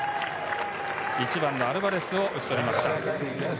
１番、アルバレスを打ち取りました。